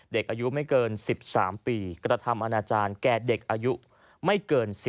เด็กอายุไม่เกิน๑๓ปีกระทำอนาจารย์แก่เด็กอายุไม่เกิน๑๐